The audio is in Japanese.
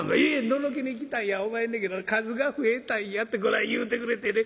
「のろけに来たんやおまへんねんけど『数が増えたんや』ってこない言うてくれてね。